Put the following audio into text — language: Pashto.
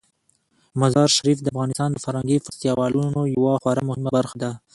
مزارشریف د افغانستان د فرهنګي فستیوالونو یوه خورا مهمه برخه ده.